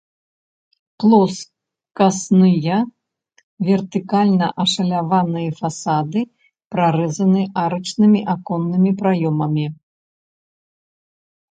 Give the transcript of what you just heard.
Плоскасныя вертыкальна ашаляваныя фасады прарэзаны арачнымі аконнымі праёмамі.